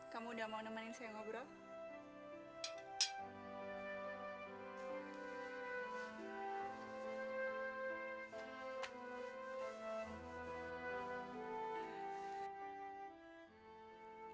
kamu udah mau nemenin saya ngobrol